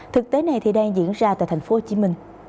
thực tế này đang diễn ra tại tp hcm